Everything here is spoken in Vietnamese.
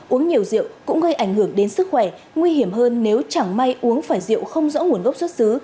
uống nhiều rượu cũng gây ảnh hưởng đến sức khỏe nguy hiểm hơn nếu chẳng may uống phải rượu không rõ nguồn gốc xuất xứ